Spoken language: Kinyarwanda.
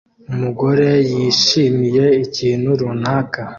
Umugore yishimiye ikintu runaka